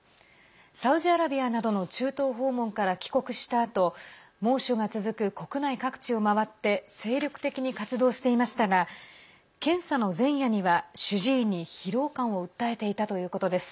サウジアラビアなどの中東訪問から帰国したあと猛暑が続く国内各地を回って精力的に活動していましたが検査の前夜には主治医に疲労感を訴えていたということです。